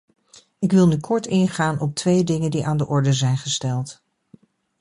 Ik wil nu kort ingaan op twee dingen die aan de orde zijn gesteld.